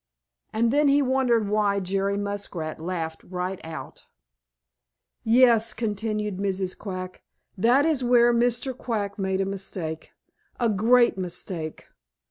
And then he wondered why Jerry Muskrat laughed right out. "Yes," continued Mrs. Quack, "that is where Mr. Quack made a mistake, a great mistake.